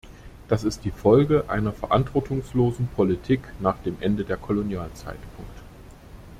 Das ist die Folge einer verantwortungslosen Politik nach dem Ende der Kolonialzeit.